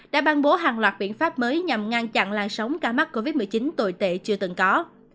đã ban bố hàng loạt biện pháp mới nhằm ngăn chặn làn sóng ca mắc covid một mươi chín tồi tệ chưa từng có